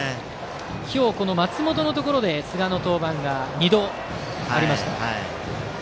今日、松本のところで寿賀の登板が２度ありました。